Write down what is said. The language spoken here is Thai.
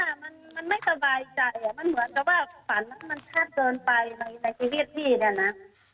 แต่ว่ามันไม่สบายใจมันเหมือนกับว่าฝันมันชาติเกินไปในทีเวียดพี่เนี่ยนะ